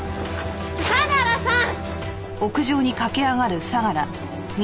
相良さん！